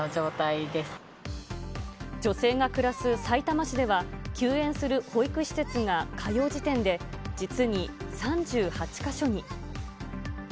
女性が暮らすさいたま市では、休園する保育施設が火曜時点で、実に３８か所に。